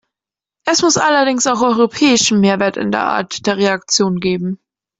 Es muss allerdings auch europäischen Mehrwert in der Art der Reaktion geben.